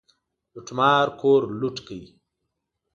لوټمار کور لوټ کړ.